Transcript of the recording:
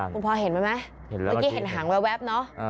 คุณพอเห็นไหมเมื่อกี้เห็นหางแว๊บเนอะ